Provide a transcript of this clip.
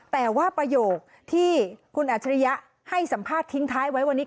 แต่ว่าประโยคที่คุณอัจฉริยะให้สัมภาษณ์ทิ้งท้ายไว้วันนี้